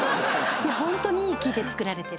ホントにいい木で作られてる。